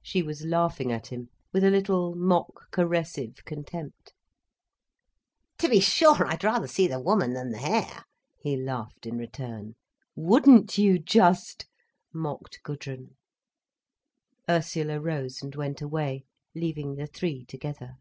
She was laughing at him, with a little, mock caressive contempt. "To be sure, I'd rather see the woman than the hair," he laughed in return. "Wouldn't you just!" mocked Gudrun. Ursula rose and went away, leaving the three together.